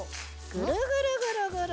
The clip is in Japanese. ぐるぐるぐるぐる。